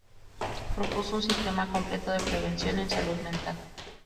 Propuso un sistema completo de prevención en salud mental.